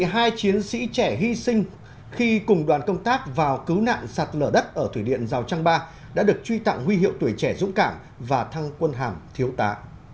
hai chiến sĩ trẻ hy sinh khi cùng đoàn công tác vào cứu nạn sạt lở đất ở thủy điện giao trang ba đã được truy tặng huy hiệu tuổi trẻ dũng cảm và thăng quân hàm thiếu tá